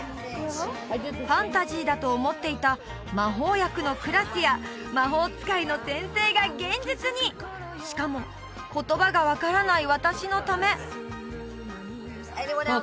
ファンタジーだと思っていた魔法薬のクラスや魔法使いの先生が現実にしかも言葉が分からない